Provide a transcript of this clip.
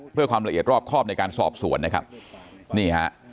เพื่อความละเอียดรอบครอบในการสอบสวนนะครับนี่ฮะ